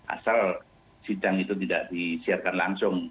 asal sidang itu tidak disiarkan langsung